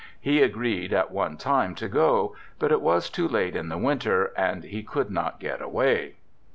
He agreed at one time to go, but it was too late in the winter and he could not get away.